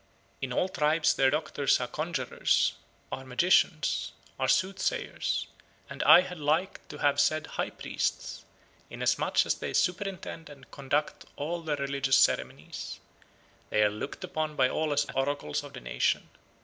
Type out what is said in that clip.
... In all tribes their doctors are conjurers are magicians are sooth sayers, and I had like to have said high priests, inasmuch as they superintend and conduct all their religious ceremonies; they are looked upon by all as oracles of the nation.